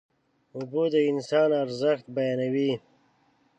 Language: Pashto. اوبه د انسان ارزښت بیانوي.